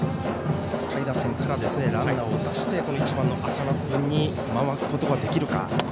下位打線からランナーを出して１番の淺野君に回すことができるか。